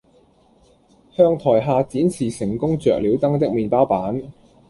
向台下展示成功着了燈的麵包板